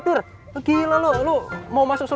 tidak ada gini